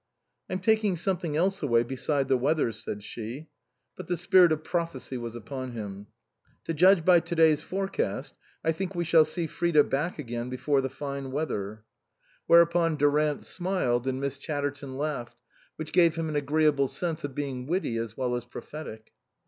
" I'm taking something else away beside the weather," said she. But the spirit of prophecy was upon him. " To judge by to day's forecast, I think we shall see Frida back again before the fine weather." 116 INLAND Whereupon Durant smiled and Miss Chatter ton laughed, which gave him an agreeable sense of being witty as well as prophetic.